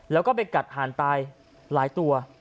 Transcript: แล้วก็ไปกัดหานตายหลายตัว